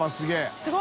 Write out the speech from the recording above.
すごい！